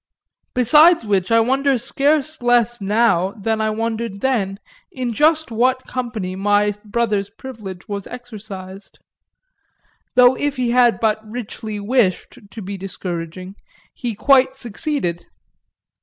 Besides which I wonder scarce less now than I wondered then in just what company my brother's privilege was exercised; though if he had but richly wished to be discouraging he quite succeeded.